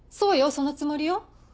そのつもりよ。